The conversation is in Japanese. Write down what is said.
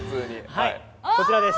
はいこちらです。